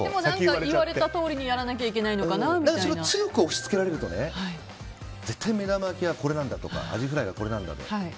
言われたとおりにやらなきゃいけないのかな強く押し付けられると絶対、目玉焼きはこれなんだとかアジフライはこれなんだと。